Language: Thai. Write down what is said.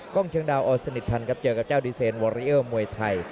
งเชียงดาวอสนิทพันธ์ครับเจอกับเจ้าดีเซนวอริเอลมวยไทย